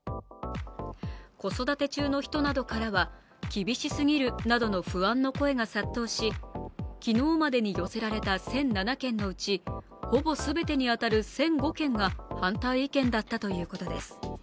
子育て中の人などからは厳しすぎるなどの不安の声が殺到し昨日までに寄せられた１００７件のうちほぼ全てに当たる１００５件が反対意見だったということです。